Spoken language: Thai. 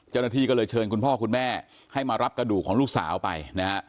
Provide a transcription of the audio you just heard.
เจ้าหน้าที่ก็เลยเชิญคุณพ่อคุณแม่ให้มารับกระดูกของลูกสาวไปนะฮะ